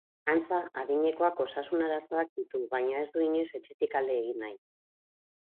Antza, adinekoak osasun arazoak ditu baina ez du inoiz etxetik alde egin.